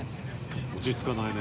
「落ち着かないね」